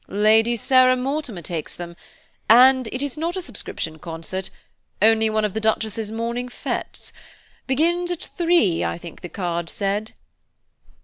"Lady Sarah Mortimer takes them; and it is not a subscription concert, only one of the Duchess's morning fêtes; begins at three, I think the card said."